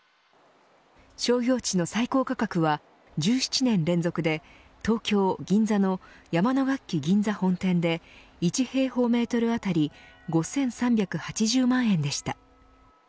商業地の最高価格は１７年連続で東京、銀座の山野楽器銀座本店で１平方メートルあたり５３８０万円でした。